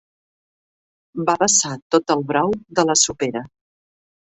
Va vessar tot el brou de la sopera.